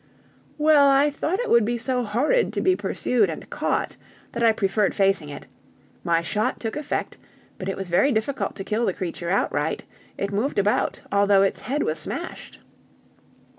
"Well, I thought it would be so horrid to be pursued and caught that I preferred facing it; my shot took effect, but it was very difficult to kill the creature outright, it moved about although its head was smashed."